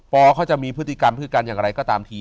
เขาจะมีพฤติกรรมพฤติกรรมอย่างไรก็ตามที